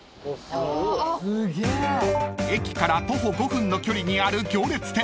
［駅から徒歩５分の距離にある行列店］